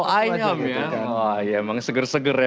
gitu kan emang seger seger ya